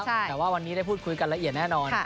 แต่ว่าวันนี้ได้พูดคุยกันละเอียดแน่นอน